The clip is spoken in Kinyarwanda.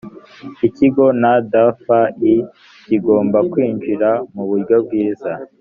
ikigo ndfi kigomba kwinjira mu buryo bwiza